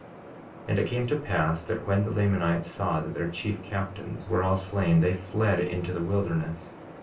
49:25 And it came to pass, that when the Lamanites saw that their chief captains were all slain they fled into the wilderness.